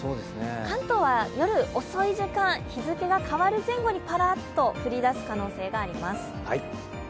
関東は夜遅い時間、日付が変わる前後にパラッと降りだす可能性があります